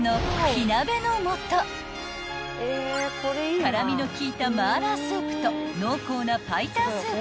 ［辛味の効いた麻辣スープと濃厚なパイタンスープ］